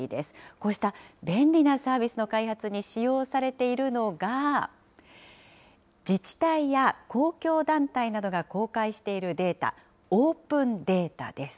こうした便利なサービスの開発に使用されているのが、自治体や公共団体などが公開しているデータ、オープンデータです。